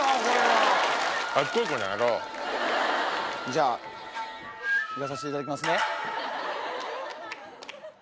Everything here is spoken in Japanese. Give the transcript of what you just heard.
じゃあ行かさせていただきますね。